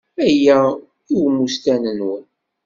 Aya i ummesten-nwen.